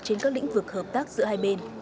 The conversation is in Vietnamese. trên các lĩnh vực hợp tác giữa hai bên